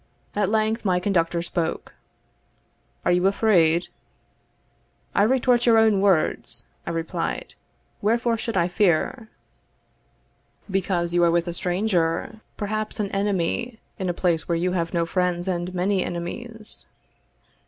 At length my conductor spoke. "Are you afraid?" "I retort your own words," I replied: "wherefore should I fear?" "Because you are with a stranger perhaps an enemy, in a place where you have no friends and many enemies."